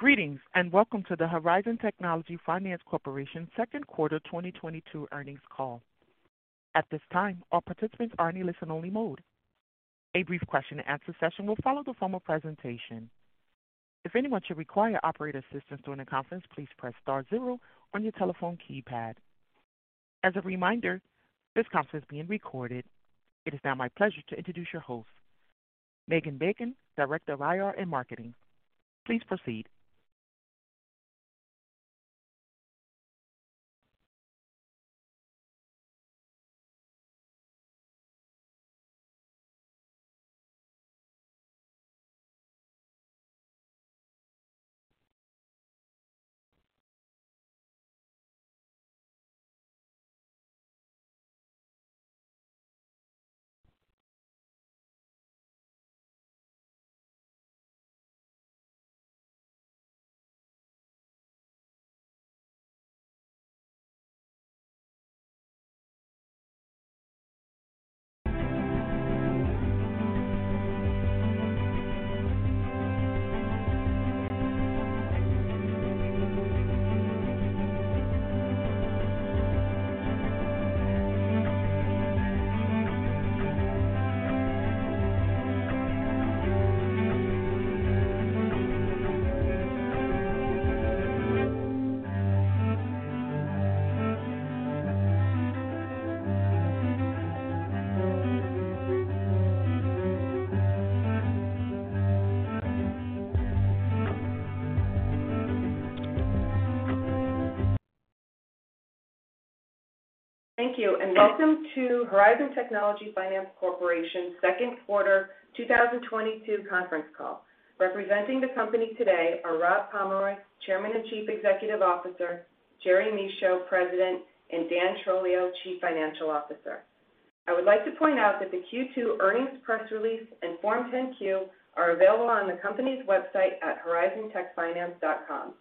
Greetings, and welcome to the Horizon Technology Finance Corporation second quarter 2022 earnings call. At this time, all participants are in a listen-only mode. A brief question and answer session will follow the formal presentation. If anyone should require operator assistance during the conference, please press star zero on your telephone keypad. As a reminder, this conference is being recorded. It is now my pleasure to introduce your host, Megan Bacon, Director of IR and Marketing. Please proceed. Thank you, and welcome to Horizon Technology Finance Corporation second quarter 2022 conference call. Representing the company today are Rob Pomeroy, Chairman and Chief Executive Officer, Jerry Michaud, President, and Dan Trolio, Chief Financial Officer. I would like to point out that the Q2 earnings press release and Form 10-Q are available on the company's website at horizontechfinance.com.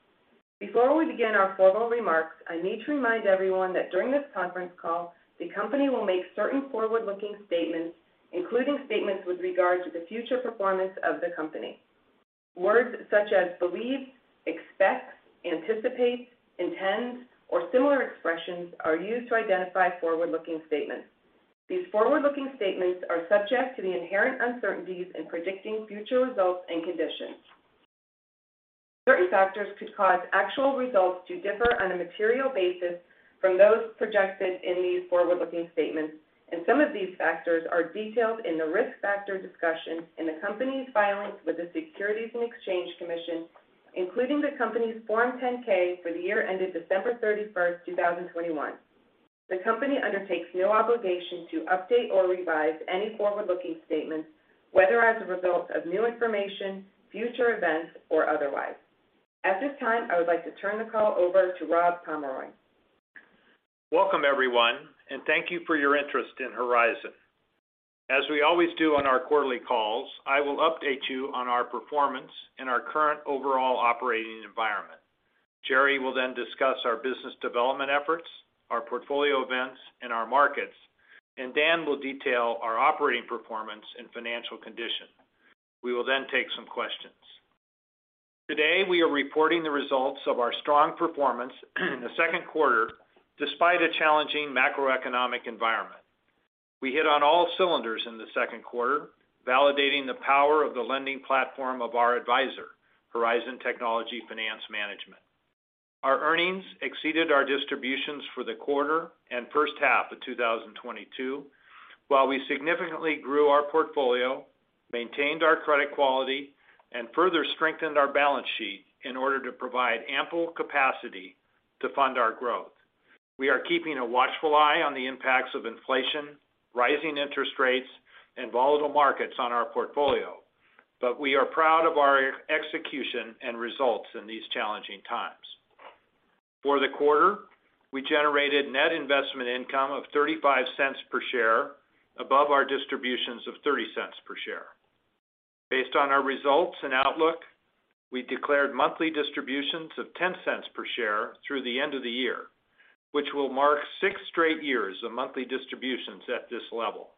Before we begin our formal remarks, I need to remind everyone that during this conference call, the company will make certain forward-looking statements, including statements with regard to the future performance of the company. Words such as believe, expect, anticipate, intend, or similar expressions are used to identify forward-looking statements. These forward-looking statements are subject to the inherent uncertainties in predicting future results and conditions. Certain factors could cause actual results to differ on a material basis from those projected in these forward-looking statements, and some of these factors are detailed in the risk factor discussion in the company's filings with the Securities and Exchange Commission, including the company's Form 10-K for the year ended December 31st, 2021. The company undertakes no obligation to update or revise any forward-looking statements, whether as a result of new information, future events, or otherwise. At this time, I would like to turn the call over to Rob Pomeroy. Welcome, everyone, and thank you for your interest in Horizon. As we always do on our quarterly calls, I will update you on our performance and our current overall operating environment. Jerry will then discuss our business development efforts, our portfolio events, and our markets, and Dan will detail our operating performance and financial condition. We will then take some questions. Today, we are reporting the results of our strong performance in the second quarter despite a challenging macroeconomic environment. We hit on all cylinders in the second quarter, validating the power of the lending platform of our advisor, Horizon Technology Finance Management. Our earnings exceeded our distributions for the quarter and first half of 2022, while we significantly grew our portfolio, maintained our credit quality, and further strengthened our balance sheet in order to provide ample capacity to fund our growth. We are keeping a watchful eye on the impacts of inflation, rising interest rates, and volatile markets on our portfolio, but we are proud of our execution and results in these challenging times. For the quarter, we generated net investment income of $0.35 per share above our distributions of $0.30 per share. Based on our results and outlook, we declared monthly distributions of $0.10 per share through the end of the year, which will mark six straight years of monthly distributions at this level.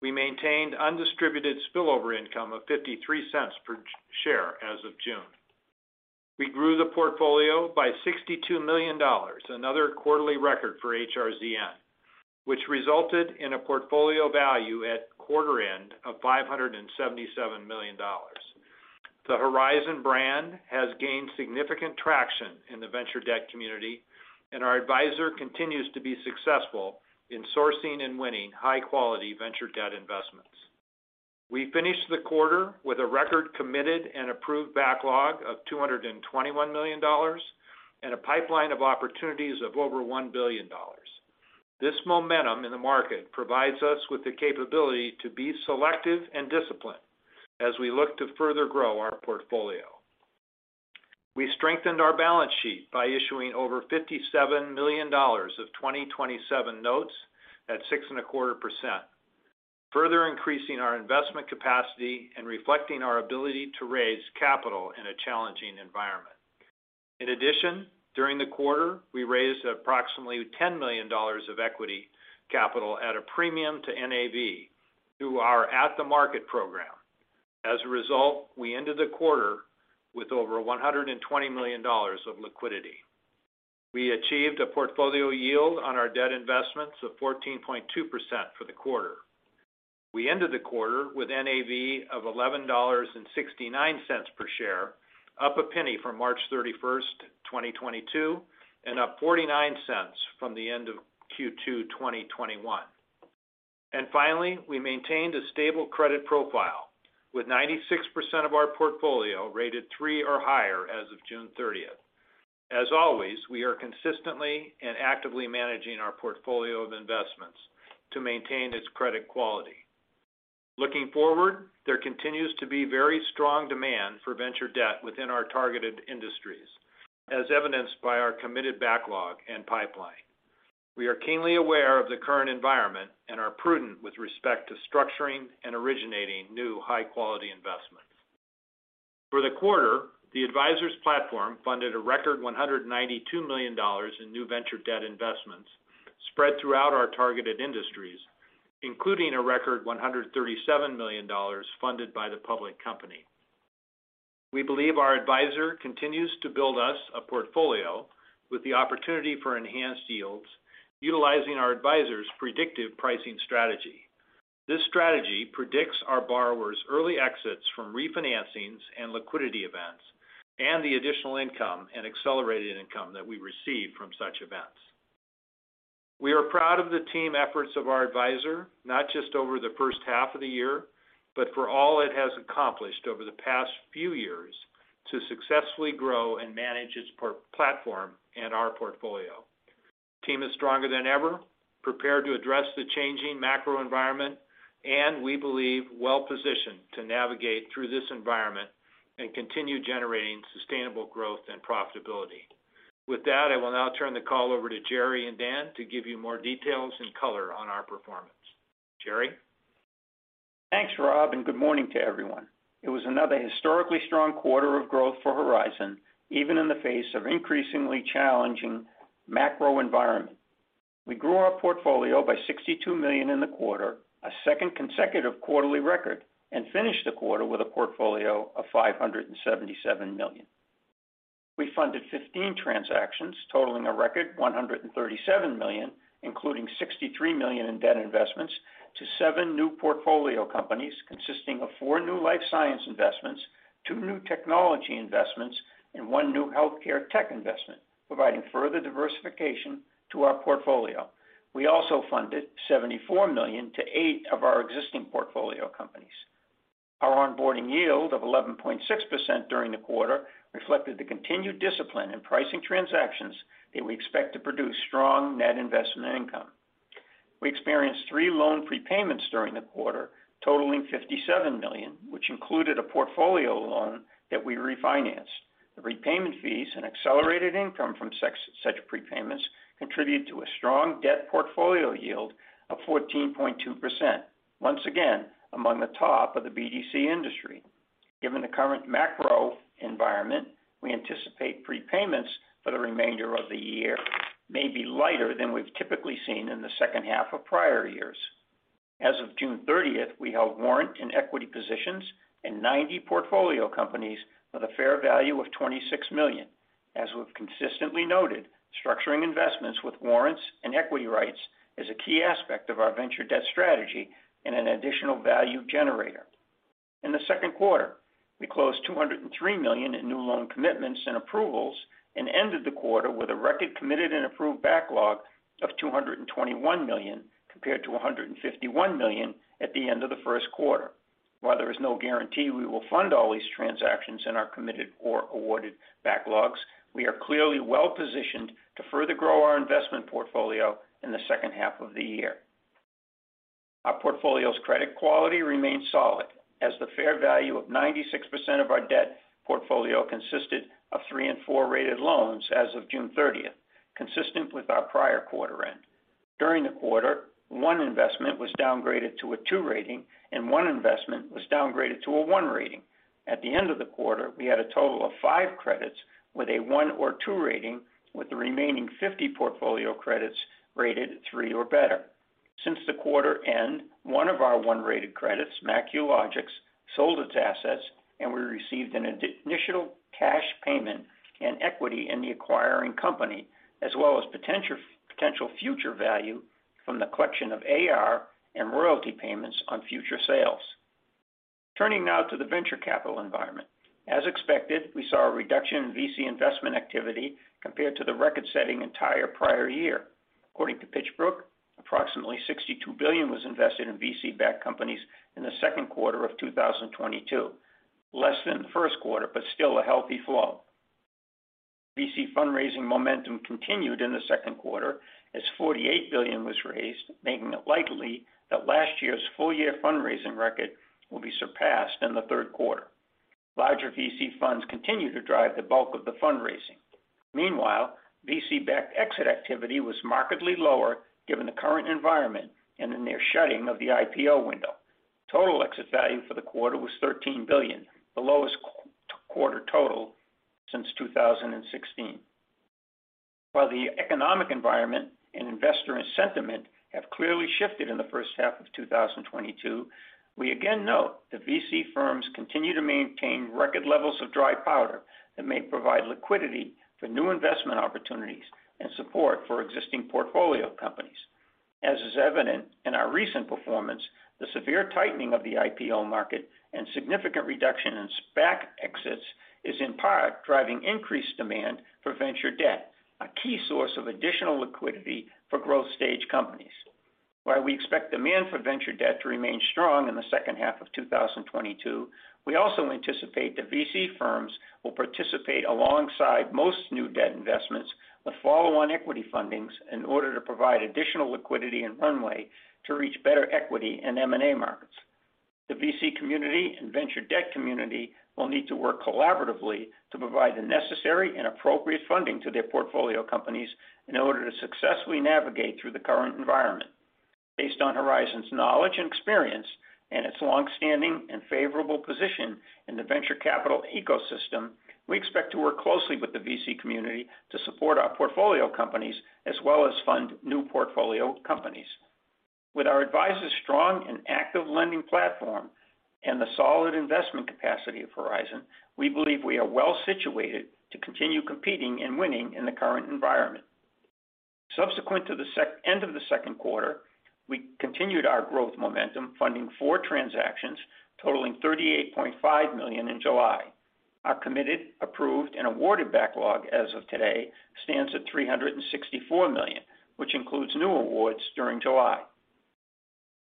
We maintained undistributed spillover income of $0.53 per share as of June. We grew the portfolio by $62 million, another quarterly record for HRZN, which resulted in a portfolio value at quarter end of $577 million. The Horizon brand has gained significant traction in the venture debt community, and our advisor continues to be successful in sourcing and winning high-quality venture debt investments. We finished the quarter with a record committed and approved backlog of $221 million and a pipeline of opportunities of over $1 billion. This momentum in the market provides us with the capability to be selective and disciplined as we look to further grow our portfolio. We strengthened our balance sheet by issuing over $57 million of 2027 Notes at 6.25%, further increasing our investment capacity and reflecting our ability to raise capital in a challenging environment. In addition, during the quarter, we raised approximately $10 million of equity capital at a premium to NAV through our At-the-Market program. As a result, we ended the quarter with over $120 million of liquidity. We achieved a portfolio yield on our debt investments of 14.2% for the quarter. We ended the quarter with NAV of $11.69 per share, up $0.01 from March 31st, 2022, and up $0.49 from the end of Q2 2021. Finally, we maintained a stable credit profile, with 96% of our portfolio rated three or higher as of June 30th. As always, we are consistently and actively managing our portfolio of investments to maintain its credit quality. Looking forward, there continues to be very strong demand for venture debt within our targeted industries, as evidenced by our committed backlog and pipeline. We are keenly aware of the current environment and are prudent with respect to structuring and originating new high-quality investments. For the quarter, the advisor's platform funded a record $192 million in new venture debt investments spread throughout our targeted industries, including a record $137 million funded by the public company. We believe our advisor continues to build us a portfolio with the opportunity for enhanced yields utilizing our advisor's predictive pricing strategy. This strategy predicts our borrowers' early exits from refinancings and liquidity events, and the additional income and accelerated income that we receive from such events. We are proud of the team efforts of our advisor, not just over the first half of the year, but for all it has accomplished over the past few years to successfully grow and manage its platform and our portfolio. Team is stronger than ever, prepared to address the changing macro environment, and we believe well-positioned to navigate through this environment and continue generating sustainable growth and profitability. With that, I will now turn the call over to Jerry and Dan to give you more details and color on our performance. Jerry? Thanks, Rob, and good morning to everyone. It was another historically strong quarter of growth for Horizon, even in the face of increasingly challenging macro environment. We grew our portfolio by $62 million in the quarter, a second consecutive quarterly record, and finished the quarter with a portfolio of $577 million. We funded 15 transactions totaling a record $137 million, including $63 million in debt investments to seven new portfolio companies consisting of four new life science investments, two new technology investments, and one new healthcare tech investment, providing further diversification to our portfolio. We also funded $74 million to eight of our existing portfolio companies. Our onboarding yield of 11.6% during the quarter reflected the continued discipline in pricing transactions that we expect to produce strong net investment income. We experienced three loan prepayments during the quarter, totaling $57 million, which included a portfolio loan that we refinanced. The repayment fees and accelerated income from such prepayments contribute to a strong debt portfolio yield of 14.2%. Once again, among the top of the BDC industry. Given the current macro environment, we anticipate prepayments for the remainder of the year may be lighter than we've typically seen in the second half of prior years. As of June 30th, we held warrant and equity positions in 90 portfolio companies with a fair value of $26 million. As we've consistently noted, structuring investments with warrants and equity rights is a key aspect of our venture debt strategy and an additional value generator. In the second quarter, we closed $203 million in new loan commitments and approvals and ended the quarter with a record committed and approved backlog of $221 million, compared to $151 million at the end of the first quarter. While there is no guarantee we will fund all these transactions in our committed or awarded backlogs, we are clearly well-positioned to further grow our investment portfolio in the second half of the year. Our portfolio's credit quality remains solid as the fair value of 96% of our debt portfolio consisted of three- and four-rated loans as of June 30th, consistent with our prior quarter end. During the quarter, one investment was downgraded to a two rating, and one investment was downgraded to a one rating. At the end of the quarter, we had a total of five credits with a one or two rating, with the remaining 50 portfolio credits rated three or better. Since the quarter end, one of our one-rated credits, MacuLogix, sold its assets, and we received an initial cash payment and equity in the acquiring company, as well as potential future value from the collection of AR and royalty payments on future sales. Turning now to the venture capital environment. As expected, we saw a reduction in VC investment activity compared to the record-setting entire prior year. According to PitchBook, approximately $62 billion was invested in VC-backed companies in the second quarter of 2022, less than the first quarter, but still a healthy flow. VC fundraising momentum continued in the second quarter as $48 billion was raised, making it likely that last year's full-year fundraising record will be surpassed in the third quarter. Larger VC funds continue to drive the bulk of the fundraising. Meanwhile, VC-backed exit activity was markedly lower given the current environment and the near shutting of the IPO window. Total exit value for the quarter was $13 billion, the lowest quarter total since 2016. While the economic environment and investor sentiment have clearly shifted in the first half of 2022, we again note that VC firms continue to maintain record levels of dry powder that may provide liquidity for new investment opportunities and support for existing portfolio companies. As is evident in our recent performance, the severe tightening of the IPO market and significant reduction in SPAC exits is in part driving increased demand for venture debt, a key source of additional liquidity for growth stage companies. While we expect demand for venture debt to remain strong in the second half of 2022, we also anticipate that VC firms will participate alongside most new debt investments with follow-on equity fundings in order to provide additional liquidity and runway to reach better equity in M&A markets. The VC community and venture debt community will need to work collaboratively to provide the necessary and adequate funding to their portfolio companies in order to successfully navigate through the current environment. Based on Horizon's knowledge and experience and its long-standing and favorable position in the venture capital ecosystem, we expect to work closely with the VC community to support our portfolio companies as well as fund new portfolio companies. With our adviser's strong and active lending platform and the solid investment capacity of Horizon, we believe we are well situated to continue competing and winning in the current environment. Subsequent to the end of the second quarter, we continued our growth momentum, funding four transactions totaling $38.5 million in July. Our committed, approved, and awarded backlog as of today stands at $364 million, which includes new awards during July.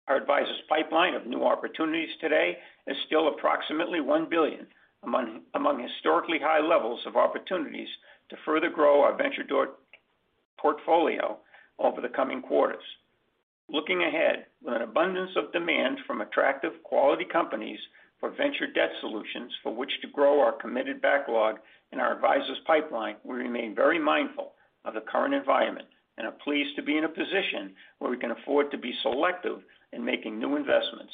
Our adviser's pipeline of new opportunities today is still approximately $1 billion among historically high levels of opportunities to further grow our venture debt portfolio over the coming quarters. Looking ahead, with an abundance of demand from attractive quality companies for venture debt solutions for which to grow our committed backlog and our adviser's pipeline, we remain very mindful of the current environment and are pleased to be in a position where we can afford to be selective in making new investments.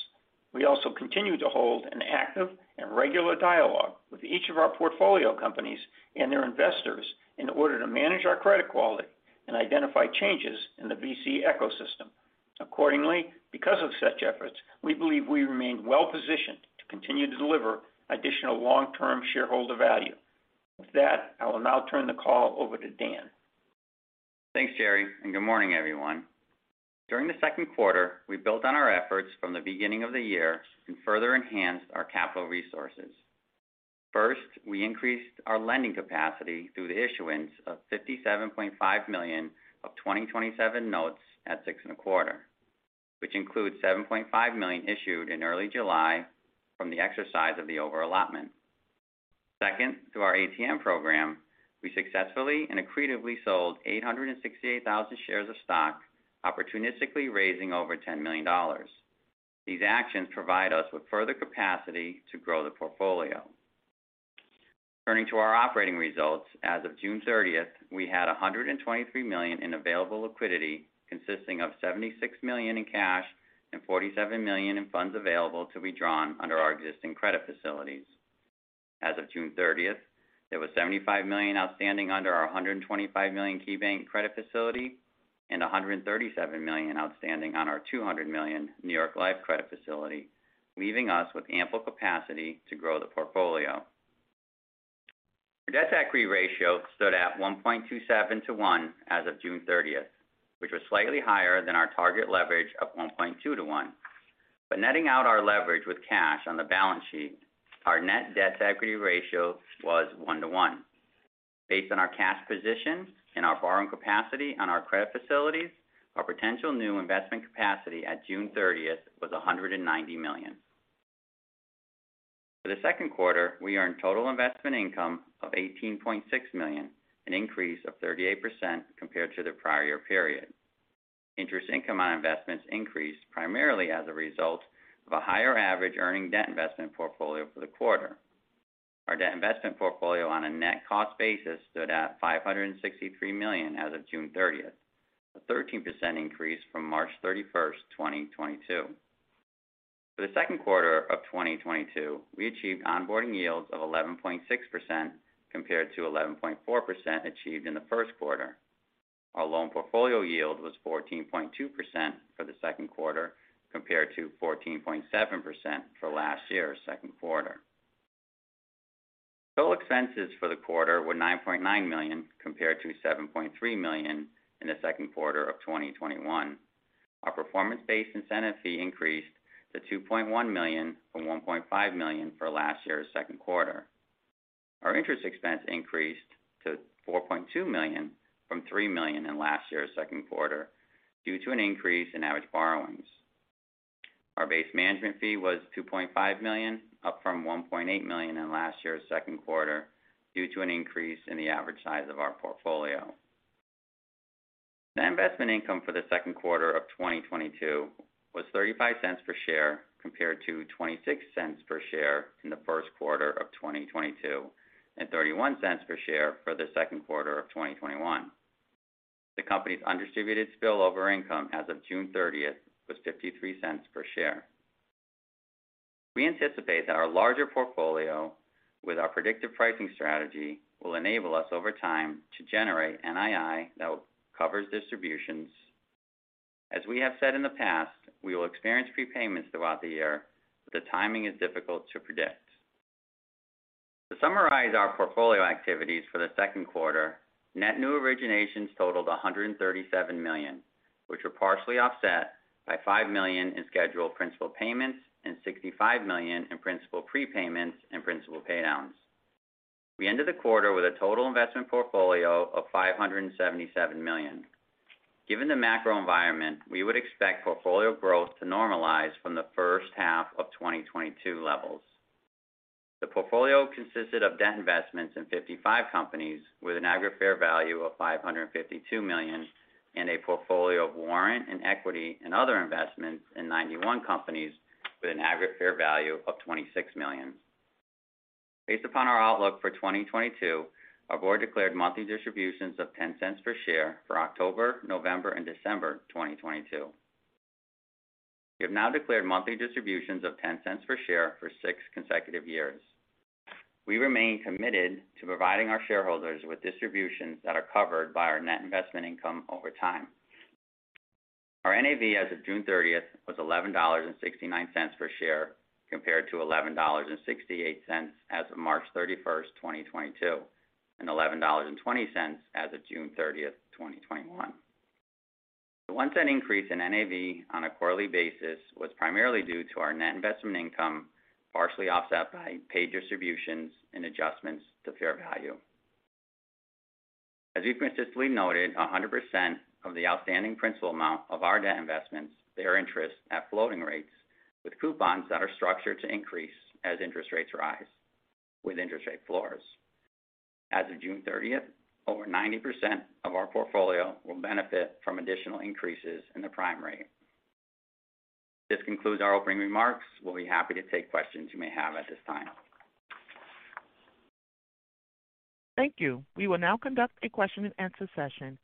We also continue to hold an active and regular dialogue with each of our portfolio companies and their investors in order to manage our credit quality and identify changes in the VC ecosystem. Accordingly, because of such efforts, we believe we remain well-positioned to continue to deliver additional long-term shareholder value. With that, I will now turn the call over to Dan. Thanks, Jerry, and good morning, everyone. During the second quarter, we built on our efforts from the beginning of the year and further enhanced our capital resources. First, we increased our lending capacity through the issuance of $57.5 million of 2027 Notes at 6.25%, which includes $7.5 million issued in early July from the exercise of the over-allotment. Second, through our ATM program, we successfully and accretively sold 868,000 shares of stock, opportunistically raising over $10 million. These actions provide us with further capacity to grow the portfolio. Turning to our operating results, as of June 30th, we had $123 million in available liquidity, consisting of $76 million in cash and $47 million in funds available to be drawn under our existing credit facilities. As of June 30th, there was $75 million outstanding under our $125 million KeyBank credit facility and $137 million outstanding on our $200 million New York Life credit facility, leaving us with ample capacity to grow the portfolio. Our debt-to-equity ratio stood at 1.27 to one as of June 30th, which was slightly higher than our target leverage of 1.2 to one. Netting out our leverage with cash on the balance sheet, our net debt-to-equity ratio was 1-1. Based on our cash position and our borrowing capacity on our credit facilities, our potential new investment capacity at June 30th was $190 million. For the second quarter, we earned total investment income of $18.6 million, an increase of 38% compared to the prior year period. Interest income on investments increased primarily as a result of a higher average earning debt investment portfolio for the quarter. Our debt investment portfolio on a net cost basis stood at $563 million as of June 30th, a 13% increase from March 31st, 2022. For the second quarter of 2022, we achieved onboarding yields of 11.6% compared to 11.4% achieved in the first quarter. Our loan portfolio yield was 14.2% for the second quarter compared to 14.7% for last year's second quarter. Total expenses for the quarter were $9.9 million compared to $7.3 million in the second quarter of 2021. Our performance-based incentive fee increased to $2.1 million from $1.5 million for last year's second quarter. Our interest expense increased to $4.2 million from $3 million in last year's second quarter due to an increase in average borrowings. Our base management fee was $2.5 million, up from $1.8 million in last year's second quarter due to an increase in the average size of our portfolio. Net investment income for the second quarter of 2022 was $0.35 per share compared to $0.26 per share in the first quarter of 2022 and $0.31 per share for the second quarter of 2021. The company's undistributed spill over income as of June 30th was $0.53 per share. We anticipate that our larger portfolio with our predictive pricing strategy will enable us over time to generate NII that will cover distributions. As we have said in the past, we will experience prepayments throughout the year, but the timing is difficult to predict. To summarize our portfolio activities for the second quarter, net new originations totaled $137 million, which were partially offset by $5 million in scheduled principal payments and $65 million in principal prepayments and principal pay downs. We ended the quarter with a total investment portfolio of $577 million. Given the macro environment, we would expect portfolio growth to normalize from the first half of 2022 levels. The portfolio consisted of debt investments in 55 companies with an aggregate fair value of $552 million and a portfolio of warrant and equity and other investments in 91 companies with an aggregate fair value of $26 million. Based upon our outlook for 2022, our board declared monthly distributions of $0.10 per share for October, November, and December 2022. We have now declared monthly distributions of $0.10 per share for six consecutive years. We remain committed to providing our shareholders with distributions that are covered by our net investment income over time. Our NAV as of June 30th was $11.69 per share, compared to $11.68 as of March 31st, 2022, and $11.20 as of June 30th, 2021. The $0.01 increase in NAV on a quarterly basis was primarily due to our net investment income, partially offset by paid distributions and adjustments to fair value. As we've consistently noted, 100% of the outstanding principal amount of our debt investments bear interest at floating rates with coupons that are structured to increase as interest rates rise with interest rate floors. As of June 30th, over 90% of our portfolio will benefit from additional increases in the prime rate. This concludes our opening remarks. We'll be happy to take questions you may have at this time. Thank you. We will now conduct a question-and-answer session.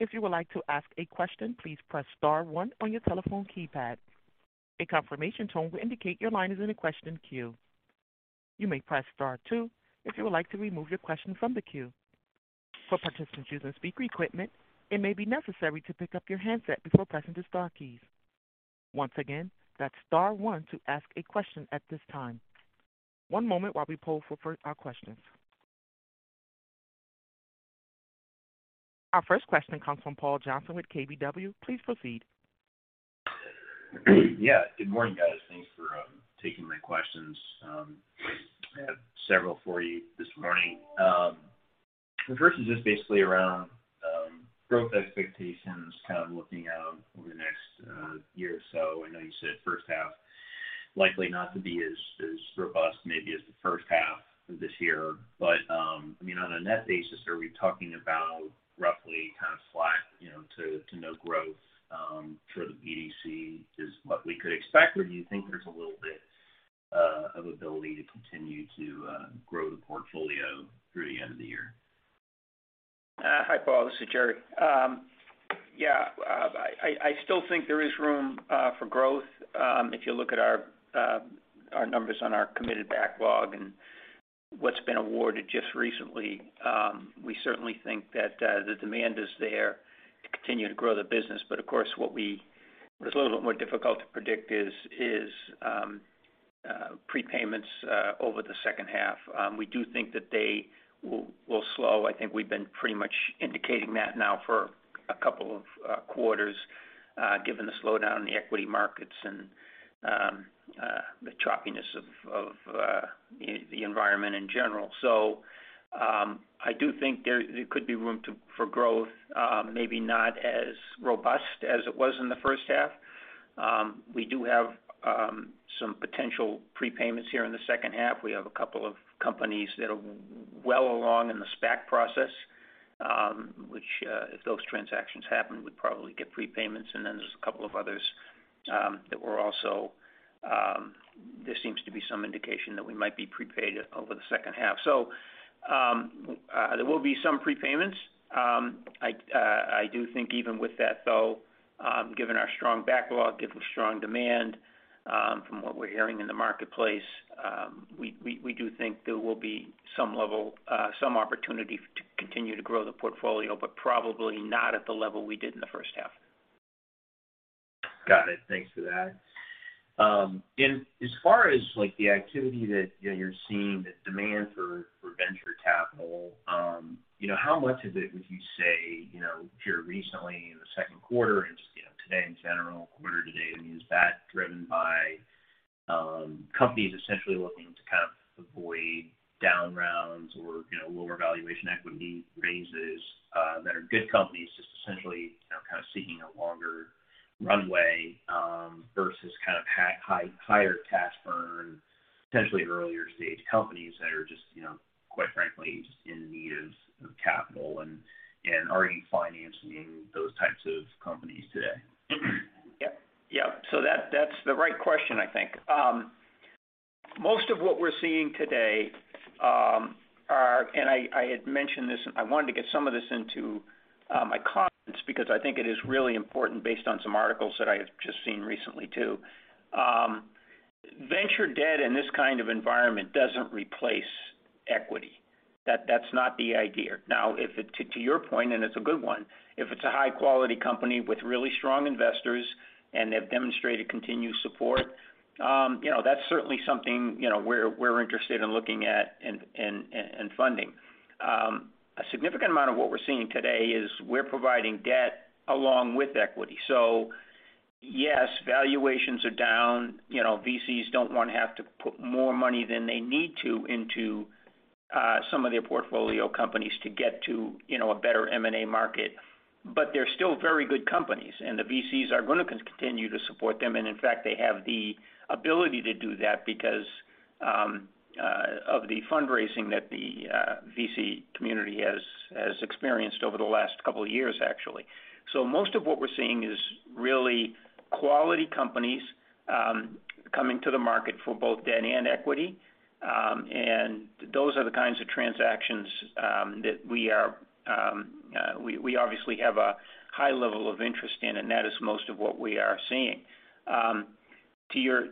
If you would like to ask a question, please press star one on your telephone keypad. A confirmation tone will indicate your line is in a question queue. You may press star two if you would like to remove your question from the queue. For participants using speaker equipment, it may be necessary to pick up your handset before pressing the star keys. Once again, that's star one to ask a question at this time. One moment while we poll for our questions. Our first question comes from Paul Johnson with KBW. Please proceed. Yeah. Good morning, guys. Thanks for taking my questions. I have several for you this morning. The first is just basically around growth expectations, kind of looking out over the next year or so. I know you said first half likely not to be as robust maybe as the first half of this year. I mean, on a net basis, are we talking about roughly kind of flat, you know, to no growth for the BDC is what we could expect? Or do you think there's a little bit of ability to continue to grow the portfolio through the end of the year? Hi, Paul. This is Jerry. Yeah, I still think there is room for growth. If you look at our numbers on our committed backlog and what's been awarded just recently, we certainly think that the demand is there to continue to grow the business. Of course, what's a little bit more difficult to predict is prepayments over the second half. We do think that they will slow. I think we've been pretty much indicating that now for a couple of quarters given the slowdown in the equity markets and the choppiness of the environment in general. I do think there could be room for growth, maybe not as robust as it was in the first half. We do have some potential prepayments here in the second half. We have a couple of companies that are well along in the SPAC process, which, if those transactions happen, we'd probably get prepayments. Then there's a couple of others that we're also. There seems to be some indication that we might be prepaid over the second half. There will be some prepayments. I do think even with that, though, given our strong backlog, given the strong demand, from what we're hearing in the marketplace, we do think there will be some level, some opportunity to continue to grow the portfolio, but probably not at the level we did in the first half. Got it. Thanks for that. And as far as, like, the activity that, you know, you're seeing, the demand for venture capital, you know, how much of it would you say, you know, here recently in the second quarter and, you know, today in general, quarter-to-date, I mean, is that driven by companies essentially looking to kind of avoid down rounds or, you know, lower valuation equity raises, that are good companies just essentially, you know, kind of seeking a longer runway, versus kind of higher cash burn, potentially earlier stage companies that are just, you know, quite frankly, just in need of capital and are you financing those types of companies today? That's the right question, I think. Most of what we're seeing today and I had mentioned this, I wanted to get some of this into my comments because I think it is really important based on some articles that I have just seen recently too. Venture debt in this kind of environment doesn't replace equity. That's not the idea. To your point, and it's a good one, if it's a high quality company with really strong investors and they've demonstrated continued support, you know, that's certainly something, you know, we're interested in looking at and funding. A significant amount of what we're seeing today is we're providing debt along with equity. Yes, valuations are down. You know, VCs don't wanna have to put more money than they need to into some of their portfolio companies to get to, you know, a better M&A market. They're still very good companies, and the VCs are gonna continue to support them. In fact, they have the ability to do that because of the fundraising that the VC community has experienced over the last couple of years, actually. Most of what we're seeing is really quality companies coming to the market for both debt and equity. Those are the kinds of transactions that we obviously have a high level of interest in, and that is most of what we are seeing. To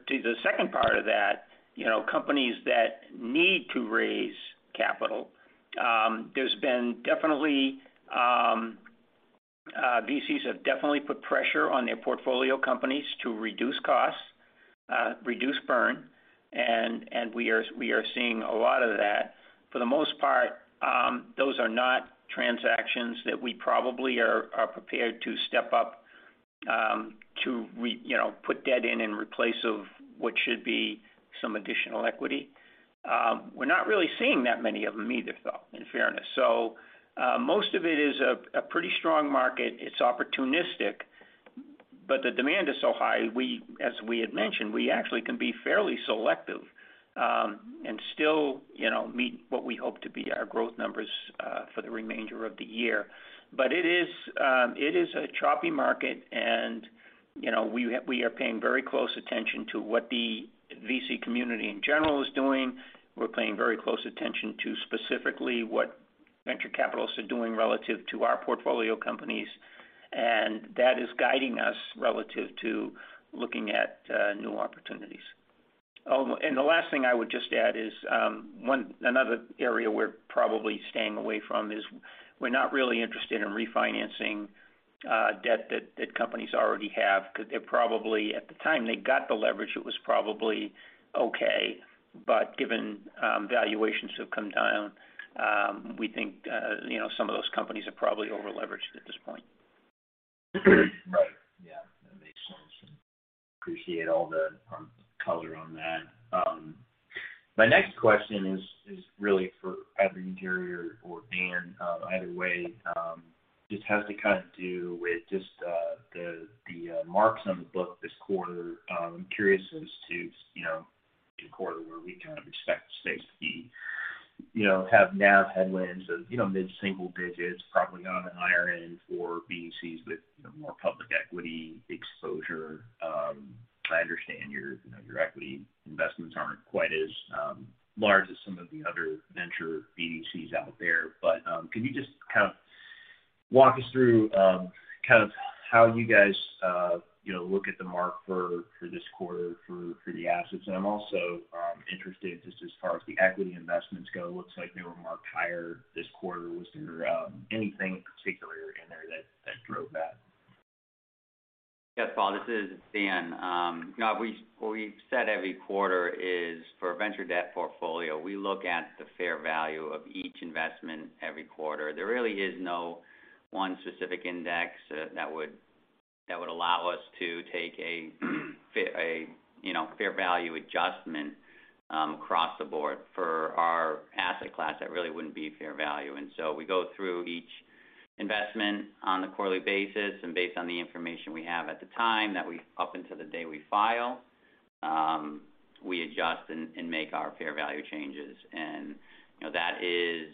the second part of that, you know, companies that need to raise capital, there's been definitely, VCs have definitely put pressure on their portfolio companies to reduce costs, reduce burn, and we are seeing a lot of that. For the most part, those are not transactions that we probably are prepared to step up, you know, put debt in and in place of what should be some additional equity. We're not really seeing that many of them either, though, in fairness. Most of it is a pretty strong market. It's opportunistic, but the demand is so high, as we had mentioned, we actually can be fairly selective, and still, you know, meet what we hope to be our growth numbers, for the remainder of the year. It is a choppy market and, you know, we are paying very close attention to what the VC community in general is doing. We're paying very close attention to specifically what venture capitalists are doing relative to our portfolio companies, and that is guiding us relative to looking at new opportunities. The last thing I would just add is another area we're probably staying away from is we're not really interested in refinancing debt that companies already have because at the time they got the leverage, it was probably okay, but given valuations have come down, we think, you know, some of those companies are probably over-leveraged at this point. Right. Yeah. That makes sense. Appreciate all the color on that. My next question is really for either you, Terry or Dan. Either way, this has to kind of do with just the marks on the book this quarter. I'm curious as to you know the quarter where we kind of expect SPACs to be you know have NAV headwinds of you know mid-single digits, probably on the higher end for VCs with more public equity exposure. I understand your you know your equity investments aren't quite as large as some of the other venture BDCs out there. But can you just kind of walk us through kind of how you guys you know look at the mark for this quarter for the assets? I'm also interested just as far as the equity investments go. Looks like they were marked higher this quarter. Was there anything particular in there that drove that? Yes, Paul, this is Dan. No, what we've said every quarter is for a venture debt portfolio, we look at the fair value of each investment every quarter. There really is no one specific index that would allow us to take a you know, fair value adjustment across the board. For our asset class, that really wouldn't be fair value. We go through each investment on a quarterly basis, and based on the information we have at the time up until the day we file, we adjust and make our fair value changes. You know, that is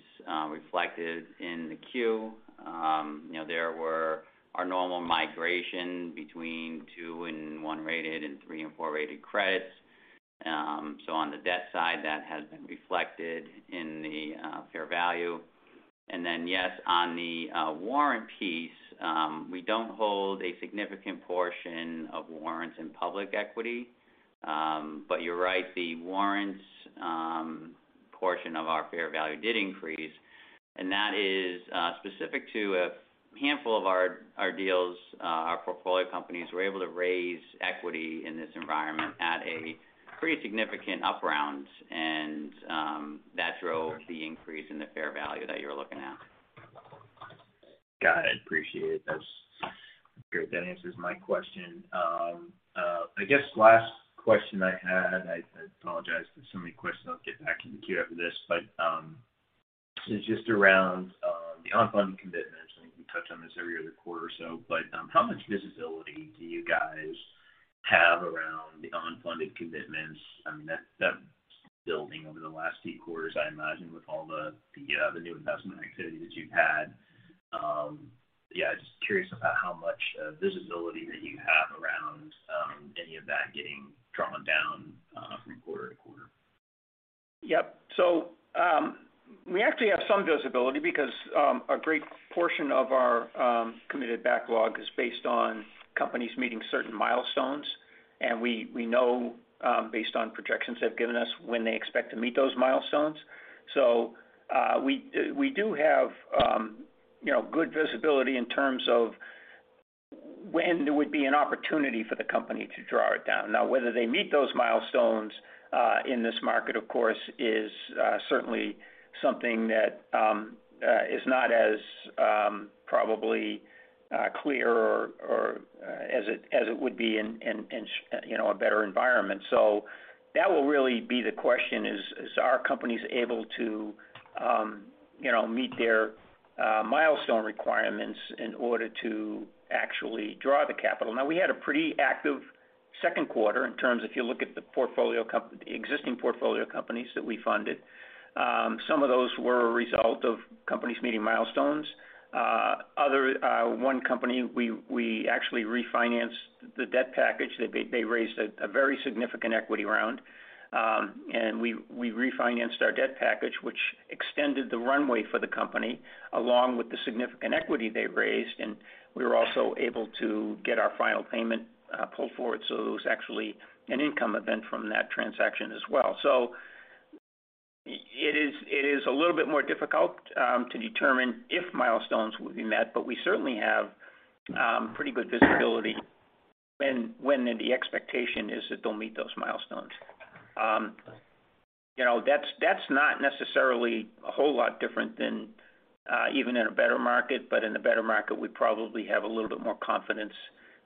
reflected in the Q. You know, there were our normal migration between two and one-rated and three and four-rated credits. So on the debt side, that has been reflected in the fair value. Yes, on the warrant piece, we don't hold a significant portion of warrants in public equity. But you're right, the warrants portion of our fair value did increase, and that is specific to a handful of our deals. Our portfolio companies were able to raise equity in this environment at a pretty significant up round, and that drove the increase in the fair value that you're looking at. Got it. Appreciate it. That's great. That answers my question. I guess last question I had, I apologize for so many questions. I'll get back in the queue after this. Is just around the unfunded commitments, and you touch on this every other quarter or so. How much visibility do you guys have around the unfunded commitments? I mean, that over the last few quarters, I imagine with all the new investment activity that you've had. Just curious about how much visibility that you have around any of that getting drawn down from quarter-to-quarter. Yep. We actually have some visibility because a great portion of our committed backlog is based on companies meeting certain milestones. We know, based on projections they've given us, when they expect to meet those milestones. We do have, you know, good visibility in terms of when there would be an opportunity for the company to draw it down. Now, whether they meet those milestones in this market, of course, is certainly something that is not as probably clear or as it would be in, you know, a better environment. That will really be the question, are companies able to, you know, meet their milestone requirements in order to actually draw the capital? Now, we had a pretty active second quarter in terms of if you look at the existing portfolio companies that we funded. Some of those were a result of companies meeting milestones. Other, one company, we actually refinanced the debt package. They raised a very significant equity round. We refinanced our debt package, which extended the runway for the company, along with the significant equity they raised, and we were also able to get our final payment pulled forward. It was actually an income event from that transaction as well. It is a little bit more difficult to determine if milestones will be met, but we certainly have pretty good visibility when the expectation is that they'll meet those milestones. You know, that's not necessarily a whole lot different than even in a better market, but in a better market, we probably have a little bit more confidence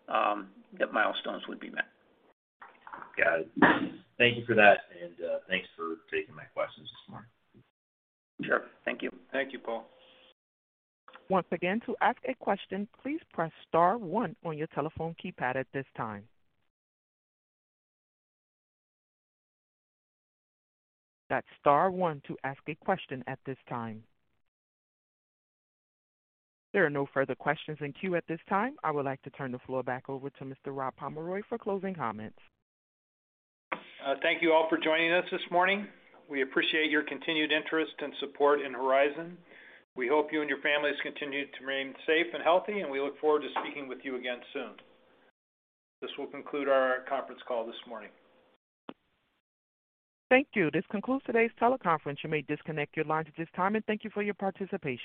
that milestones would be met. Got it. Thank you for that, and thanks for taking my questions this morning. Sure. Thank you. Thank you, Paul. Once again, to ask a question, please press star one on your telephone keypad at this time. That's star one to ask a question at this time. There are no further questions in queue at this time. I would like to turn the floor back over to Mr. Rob Pomeroy for closing comments. Thank you all for joining us this morning. We appreciate your continued interest and support in Horizon. We hope you and your families continue to remain safe and healthy, and we look forward to speaking with you again soon. This will conclude our conference call this morning. Thank you. This concludes today's teleconference. You may disconnect your lines at this time, and thank you for your participation.